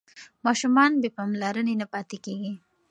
ماشومان بې پاملرنې نه پاتې کېږي.